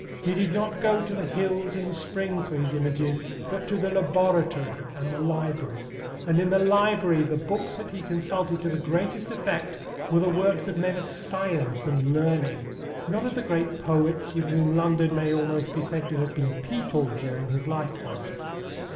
He did not go to the hills and the springs for his images, but to the laboratory and the library, and in the library the books that he consulted to the greatest effect were the works of men of science and learning, not of the great poets with whom London may almost be said to have been peopled during his lifetime.